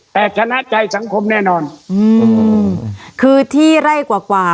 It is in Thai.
แต่ชนะใจสังคมแน่นอนอืมคือที่ไร่กว่ากว่า